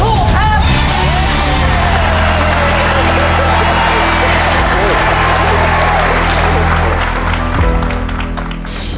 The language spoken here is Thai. ถูกครับ